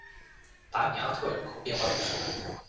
达米阿特人口变化图示